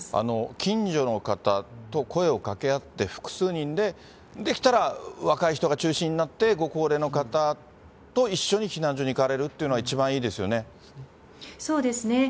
近所の方と声をかけ合って、複数人で、できたら若い人が中心になって、ご高齢の方と一緒に避難所に行かれるっていうのが、一番いいですそうですね。